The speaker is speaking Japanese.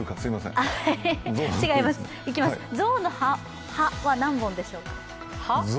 象の歯は何本でしょうか？